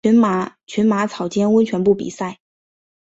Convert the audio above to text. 群马草津温泉部比赛。